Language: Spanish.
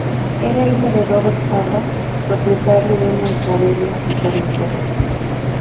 Era hijo de Robert Harvard, propietario de una taberna y carnicero.